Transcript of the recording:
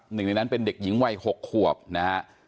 หนึ่งในนั้นเป็นเด็กหญิงวัย๖ขวบนะฮะ